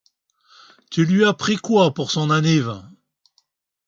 Tu lui as pris quoi pour son anniv ?